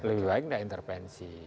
lebih baik tidak intervensi